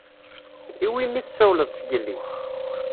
I wimi i tessawleḍ sgelli?